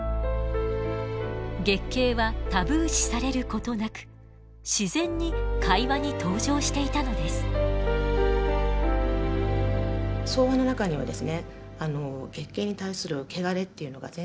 月経はタブー視されることなく自然に会話に登場していたのです。